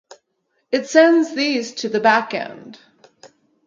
It sends these to the back-end